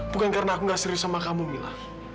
bukan karena aku gak serius sama kamu mila